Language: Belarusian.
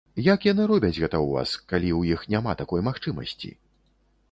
Як яны робяць гэта ў вас, калі ў іх няма такой магчымасці?